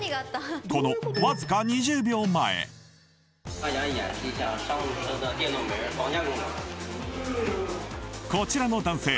このわずか２０秒前こちらの男性